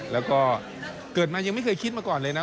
แล้วก็เกิดมายังไม่เคยคิดมาก่อนเลยนะ